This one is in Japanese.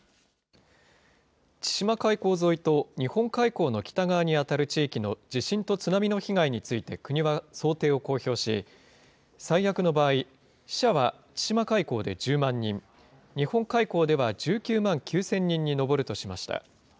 千島海溝沿いと日本海溝の北側に当たる地域の地震と津波の被害について、国は想定を公表し、最悪の場合、死者は千島海溝で１０万人、日本海溝では１９万９０００人に上るとしました。